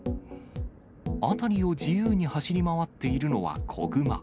辺りを自由に走り回っているのは子グマ。